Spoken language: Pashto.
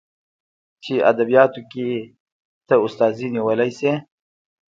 چې ادبياتو کې ته استادي نيولى شې.